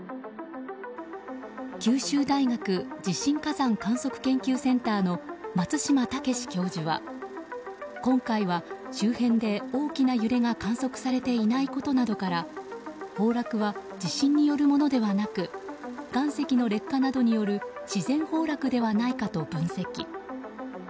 九州大学地震火山観測研究センターの松島健教授は今回は周辺で大きな揺れが観測されていないことなどから崩落は地震によるものではなく岩石の劣化などによる自然崩落ではないかと分析。